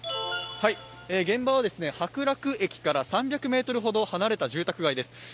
現場は白楽駅から３００ｍほど離れた住宅街です。